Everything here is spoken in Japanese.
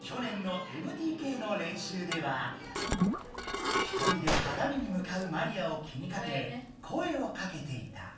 去年のＭＴＫの練習では１人でかがみにむかうマリアを気にかけ声をかけていた。